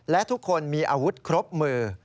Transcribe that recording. และทุกคนมีอาวุธครบมือ